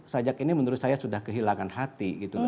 sajak ini menurut saya sudah kehilangan hati